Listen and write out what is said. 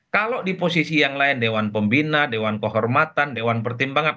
kalau di posisi yang lain dewan pembina dewan kehormatan dewan pertimbangan